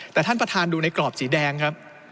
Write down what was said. แต่ท่านประธานดูในกรอบสีแดงครับ